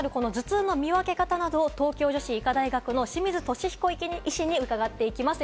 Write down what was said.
きょうは気になる頭痛の見分け方などを東京女子医科大学の清水俊彦医師に伺っていきます。